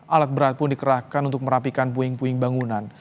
alat berat pun dikerahkan untuk merapikan puing puing bangunan